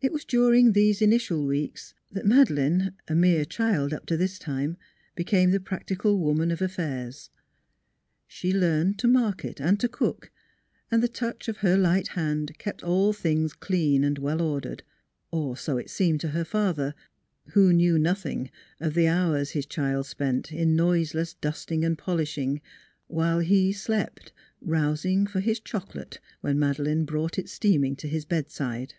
It was during these initial 127 128 NEIGHBORS weeks that Madeleine, a mere child up to this time, became the practical woman of affairs. She learned to market and to cook, and the touch of her light hand kept all things clean and well ordered or so it seemed to her father, who knew nothing of the hours his child spent in noiseless dusting and polishing while he slept, rousing for his chocolate, when Madeleine brought it steam ing to his bedside.